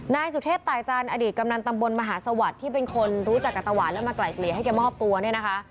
นายสุเทพตายจันทร์อดีตกำนันตำบลมหาสวัสดิ์ที่เป็นคนรู้จักกับตาหวานแล้วมาไกลเกลี่ยให้แกมอบตัวเนี่ยนะคะ